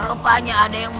aku akan membunuhmu